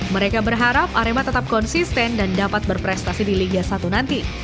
mereka berharap arema tetap konsisten dan dapat berprestasi di liga satu nanti